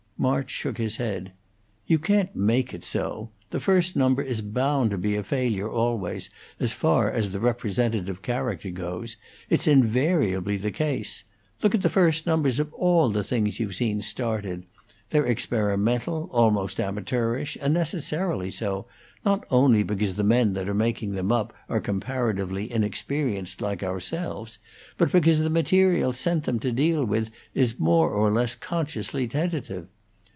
March shook his head. "You can't make it so. The first number is bound to be a failure always, as far as the representative character goes. It's invariably the case. Look at the first numbers of all the things you've seen started. They're experimental, almost amateurish, and necessarily so, not only because the men that are making them up are comparatively inexperienced like ourselves, but because the material sent them to deal with is more or less consciously tentative.